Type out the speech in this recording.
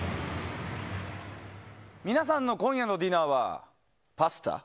皆さんの今夜のディナーはパスタ？